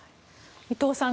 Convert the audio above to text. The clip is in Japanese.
伊藤さん